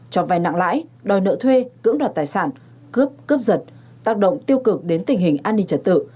cho vai nặng lãi đòi nợ thuê cưỡng đoạt tài sản cướp cướp giật tác động tiêu cực đến tình hình an ninh trật tự